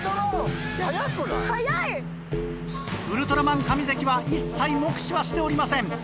ウルトラマン上関は一切目視はしておりません。